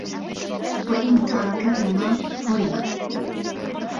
وَإِنْ تَرَكَهُمَا حُرِمَ